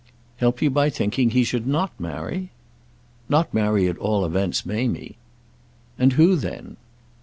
"Help you by thinking he should not marry?" "Not marry at all events Mamie." "And who then?"